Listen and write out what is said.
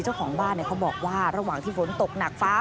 เจ้าของบ้านเขาบอกว่าระหว่างที่ฝนตกหนักฟ้า